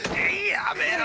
やめろ！！